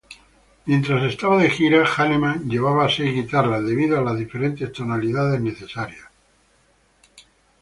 Mientras estaba de gira, Hanneman llevaba seis guitarras debido a las diferentes tonalidades necesarias.